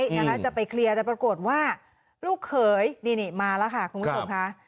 นะคะจะไปเคลียร์แต่ปรากฏว่าลูกเขยนี่มาแล้วค่ะคุณผู้ชมค่ะ